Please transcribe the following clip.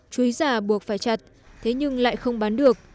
chuối già buộc phải chặt thế nhưng lại không bán được